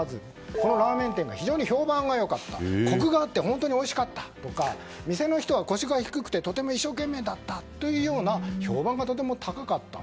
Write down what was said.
そのラーメン店が非常に評判がよくコクがあって本当においしかったとか店の人は腰が低くてとても一生懸命だったという評判がとても高かったと。